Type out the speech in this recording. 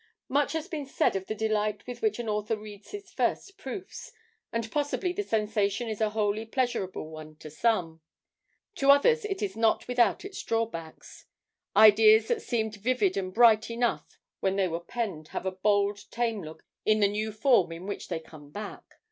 Much has been said of the delight with which an author reads his first proofs, and possibly the sensation is a wholly pleasurable one to some; to others it is not without its drawbacks. Ideas that seemed vivid and bright enough when they were penned have a bald tame look in the new form in which they come back.